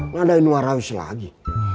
nggak ada ini mah rawis lagi